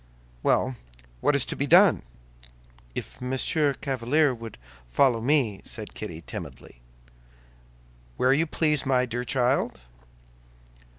"Well, what is to be done?" "If Monsieur Chevalier would follow me?" said Kitty, timidly. "Where you please, my dear child."